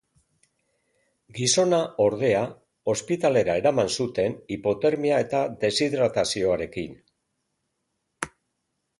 Gizona, ordea, ospitalera eraman zuten hipotermia eta deshidratazioarekin.